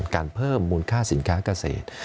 การเพิ่มมูลค่าสินค้าเกษตร